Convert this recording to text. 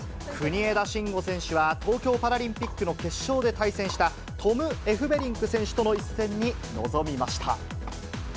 国枝慎吾選手は、東京パラリンピックの決勝で対戦した、トム・エフベリンク選手との一戦に臨みました。